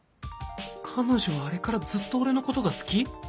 彼女はあれからずっと俺のことが好き⁉